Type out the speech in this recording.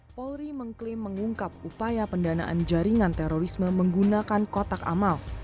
polri mengklaim mengungkap upaya pendanaan jaringan terorisme menggunakan kotak amal